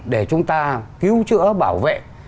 để chúng ta cứu chữa bảo vệ